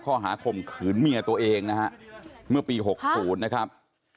ข่มขืนเมียตัวเองนะฮะเมื่อปี๖๐นะครับ